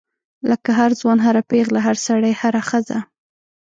لکه هر ځوان هر پیغله هر سړی هره ښځه.